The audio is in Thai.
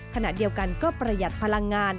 ขณะเดียวกันก็ประหยัดพลังงาน